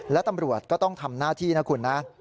และตำรวจก็ต้องทำหน้าที่นะคุณนะ